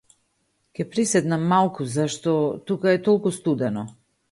Ќе приседнам малку зашто тука е толку студено.